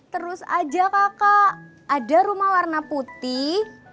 terus aja kakak ada rumah warna putih